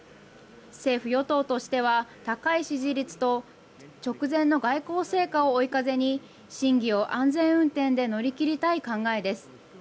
政府・与党としては高い支持率と直前の外交成果を追い風に審議を安全運転で乗り切りたい考えです。